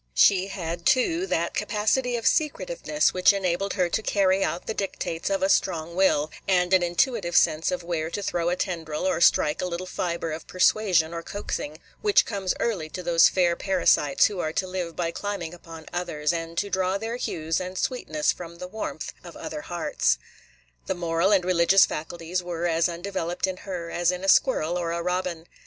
She had, too, that capacity of secretiveness which enabled her to carry out the dictates of a strong will, and an intuitive sense of where to throw a tendril or strike a little fibre of persuasion or coaxing, which comes early to those fair parasites who are to live by climbing upon others, and to draw their hues and sweetness from the warmth of other hearts. The moral and religious faculties were as undeveloped in her as in a squirrel or a robin.